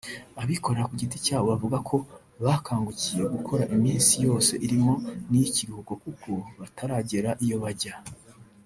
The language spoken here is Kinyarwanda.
Abikorera ku giti cyabo bavuga ko bakangukiye gukora iminsi yose irimo n’iy’ikiruhuko kuko bataragera iyo bajya